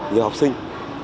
nhiều học sinh